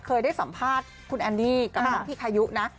เคยได้สัมภาษณ์คุณแอนดี้กับน้องพี่คายุนะ